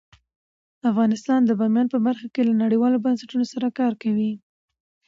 افغانستان د بامیان په برخه کې له نړیوالو بنسټونو سره کار کوي.